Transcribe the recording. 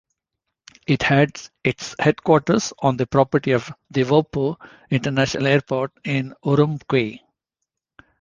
It had its headquarters on the property of Diwopu International Airport in Urumqi.